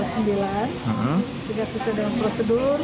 sika sesuai dengan prosedur